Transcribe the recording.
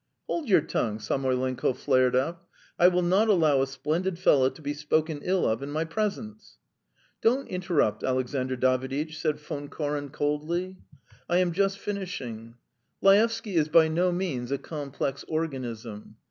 "Hold your tongue!" Samoylenko flared up. "I will not allow a splendid fellow to be spoken ill of in my presence!" "Don't interrupt, Alexandr Daviditch," said Von Koren coldly; "I am just finishing. Laevsky is by no means a complex organism.